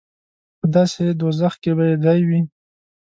په داسې دوزخ کې به یې ځای وي.